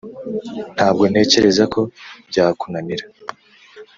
ntabwo ntekereza ko byakunanira